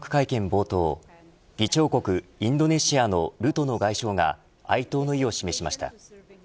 冒頭議長国インドネシアのルトノ外相が哀悼の意を示しました。